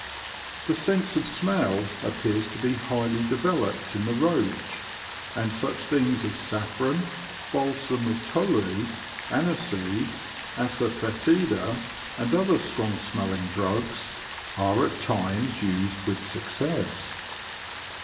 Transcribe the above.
The sense of smell appears to be highly developed in the roach, and such things as saffron, balsam of tolu, aniseed, assafoetida, and other strong smelling drugs, are at times used with success.